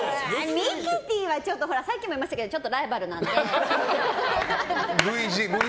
ミキティはほらさっきも言いましたけどライバルなので。